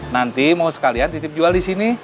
nanti mau sekalian titip jual di sini